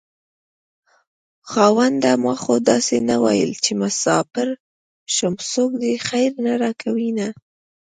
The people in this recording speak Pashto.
خاونده ما خو داسې نه وېل چې مساپر شم څوک دې خير نه راکوينه